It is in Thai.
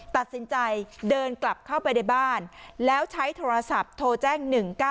ตัดสินใจเดินกลับเข้าไปในบ้านแล้วใช้โทรศัพท์โทรแจ้ง๑๙๙